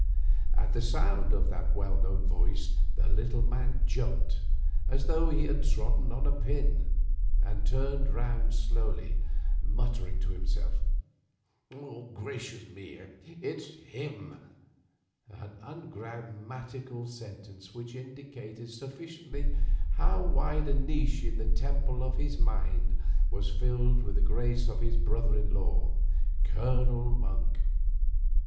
At the sound of that well known voice the little man jumped as though he had trodden on a pin, and turned round slowly, muttering to himself, "Gracious! It's him!" an ungrammatical sentence which indicated sufficiently how wide a niche in the temple of his mind was filled with the image of his brother in law, Colonel Monk.